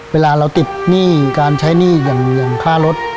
เวลาเราติดหนี้การใช้หนี้อย่างค่ารถ